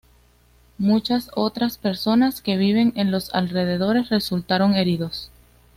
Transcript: Muchas otras personas que viven en los alrededores resultaron heridos.